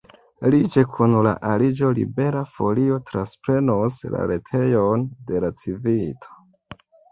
Lige kun la aliĝo Libera Folio transprenos la retejon de la Civito.